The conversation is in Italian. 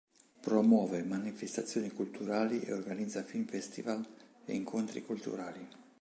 Promuove manifestazioni culturali e organizza film festival e incontri culturali.